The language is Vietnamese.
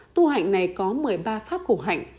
tu hành này có một mươi ba pháp cổ hành